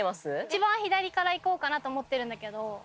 一番左から行こうかなと思ってるんだけど。